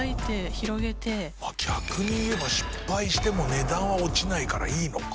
逆に言えば失敗しても値段は落ちないからいいのか。